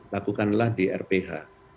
lakukanlah di rph